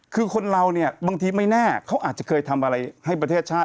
คือคนเราเนี่ยบางทีไม่แน่เขาอาจจะเคยทำอะไรให้ประเทศชาติ